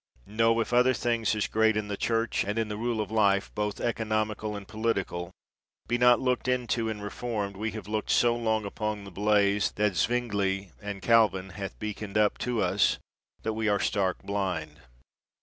No ; if other things as great in the Church, and in the rule of life both economical and political, be not looked into and reformed, we have looked so long upon the blaze 107 THE WORLD'S FAMOUS ORATIONS that Zuingluis and Calvin hath beaconed up to us, that we are stark blind.